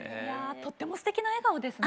とってもすてきな笑顔ですね